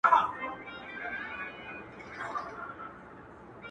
یوه ژبه یې ویل د یوه اېل وه!